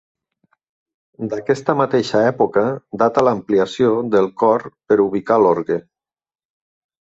D'aquesta mateixa època data l'ampliació del cor per ubicar l'orgue.